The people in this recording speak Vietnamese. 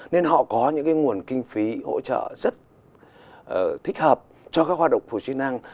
nên họ có những cái nguồn kinh phí hỗ trợ rất thích hợp cho các hoạt động phù hợp chức năng